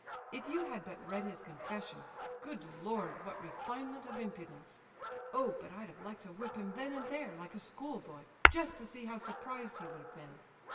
If you had but read his confession—good Lord! what refinement of impudence! Oh, but I'd have liked to whip him then and there, like a schoolboy, just to see how surprised he would have been!